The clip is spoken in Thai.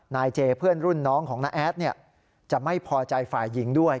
นายเจเพื่อนรุ่นน้องของน้าแอดจะไม่พอใจฝ่ายหญิงด้วย